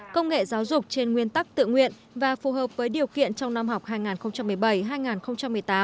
công nghệ giáo dục trên nguyên tắc tự nguyện và phù hợp với điều kiện trong năm học hai nghìn một mươi bảy hai nghìn một mươi tám